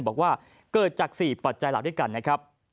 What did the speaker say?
บอกว่าเกิดจาก๔ปัจจัยหลักด้วยกันนะครับ